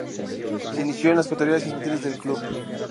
Se inició en las categorías infantiles del club.